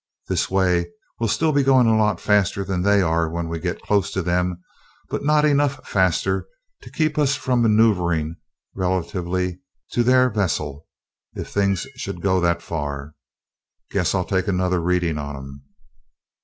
This way, we'll still be going a lot faster than they are when we get close to them, but not enough faster to keep us from maneuvering relatively to their vessel, if things should go that far. Guess I'll take another reading on 'em."